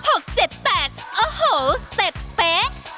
โอ้โหสเต็ปเป๊ะ